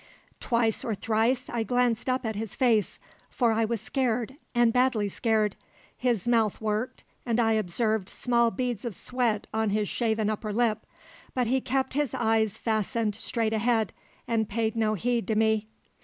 Twice or thrice I glanced up at his face, for I was scared, and badly scared. His mouth worked, and I observed small beads of sweat on his shaven upper lip; but he kept his eyes fastened straight ahead, and paid no heed to me.